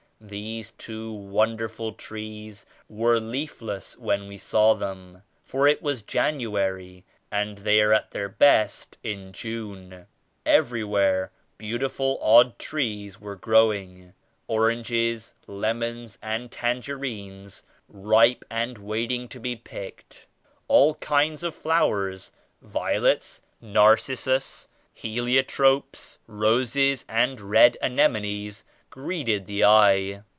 These two wonderful trees were leafless when we saw them, for it was January and they are at their best in June. Ever5rwhere beautiful odd trees were grow ing; — oranges, lemons and tangerines ripe and waiting to be picked. All kinds of flowers, violets, narcissus, heliotropes, roses and red anemones greeted the eye.